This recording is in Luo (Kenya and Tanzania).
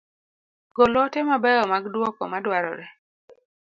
Gol ote ma beyo mag duoko ma dwarore.